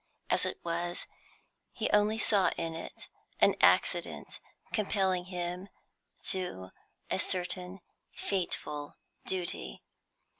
As it was, he only saw in it an accident compelling him to a certain fateful duty.